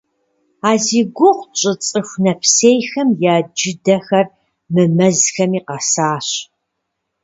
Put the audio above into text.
А зи гугъу тщӏы цӏыху нэпсейхэм я джыдэхэр мы мэзхэми къэсащ.